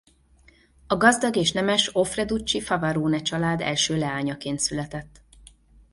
A gazdag és nemes Offreducci-Favarone család első leányaként született.